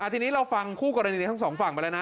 ทีนี้เราฟังคู่กรณีทั้งสองฝั่งไปแล้วนะ